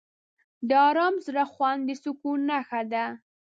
د آرام زړه خوند د سکون نښه ده.